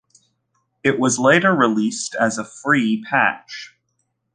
It was later released as a free patch.